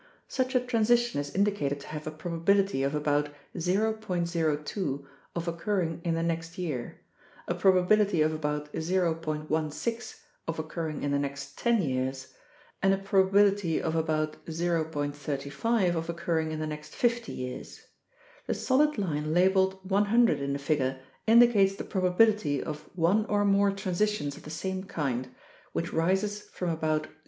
Such a transition is indicated to have a probability of about 0.02 of occurring in the next year, a probability of about 0.16 of occur ring in the next 10 years, and a probability of about 0.35 of occurring in the next 50 years. The solid line labeled 100 in the figure indicates the probability of one or more transitions of the same kind, which rises from about 0.